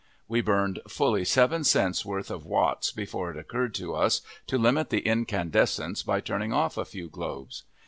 We burned fully seven cents' worth of watts before it occurred to us to limit the incandescence by turning off a few globes.